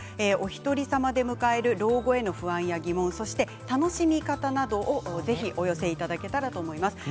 おひとりさまで迎える老後への不安や疑問楽しみ方などお寄せいただけたらと思います。